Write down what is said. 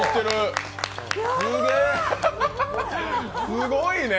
すごいね。